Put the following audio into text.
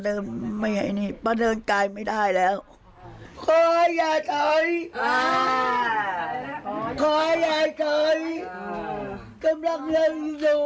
เดินไม่ได้มากี่เดือน